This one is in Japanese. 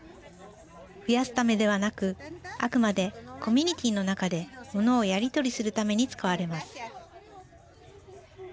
増やすためではなくあくまでコミュニティーの中でものをやり取りするために使われます。